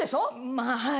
まあはい。